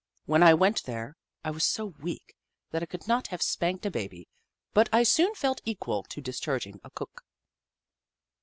When I went there, I was so weak that I could not have spanked a baby, but I soon felt equal to dis charging a cook.